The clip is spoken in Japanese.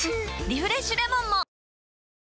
「リフレッシュレモン」も！